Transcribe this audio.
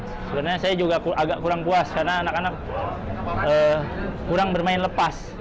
sebenarnya saya juga agak kurang puas karena anak anak kurang bermain lepas